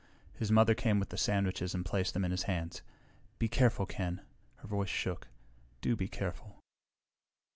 His mother came with the sandwiches and placed them in his hands. "Be careful, Ken." Her voice shook. "Do be careful."